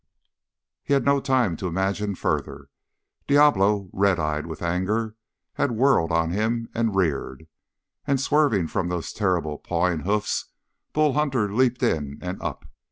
He had no time to imagine further. Diablo, red eyed with anger, had whirled on him and reared, and swerving from those terrible, pawing hoofs, Bull Hunter leaped in and up.